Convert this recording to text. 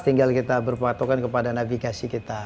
tinggal kita berpatokan kepada navigasi kita